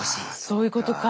そういうことか。